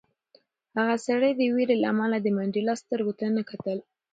هغه سړي د وېرې له امله د منډېلا سترګو ته نه کتل.